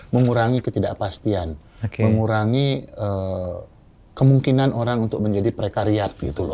mengurangi ketidakpastian mengurangi kemungkinan orang untuk menjadi prekariat